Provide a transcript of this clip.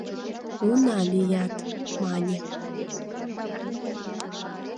— Уна лият, — мане.